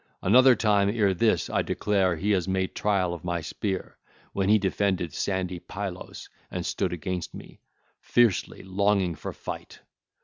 Another time ere this I declare he has made trial of my spear, when he defended sandy Pylos and stood against me, fiercely longing for fight.